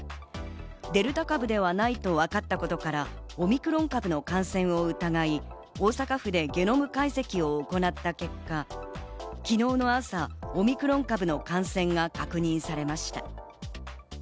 デルタ株ではないと分かったことからオミクロン株の感染を疑い、大阪府でゲノム解析を行った結果、昨日の朝、オミクロン株の感染が確認されました。